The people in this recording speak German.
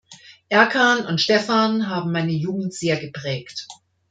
Erkan und Stefan haben meine Jugend sehr geprägt.